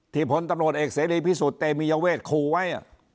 ที่ผลตำรวจเอกเสรีพิสูจน์เตมียเวชคู่ไว้